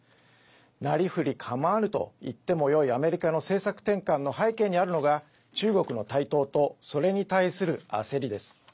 なりふりかまわぬといってもよいアメリカの政策転換の背景にあるのが中国の台頭とそれに対する焦りです。